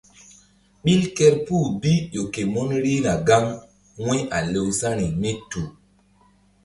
Ɓil kerpuh bi ƴo ke mun rihna gaŋ wu̧y a lewsa̧ri mí tu.